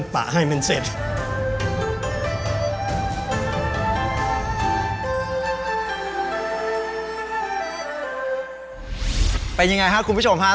เป็นยังไงครับคุณผู้ชมฮะ